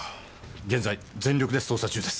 現在全力で捜査中です。